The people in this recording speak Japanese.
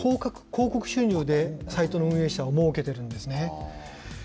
広告収入でサイトの運営者はもうけてるんですね。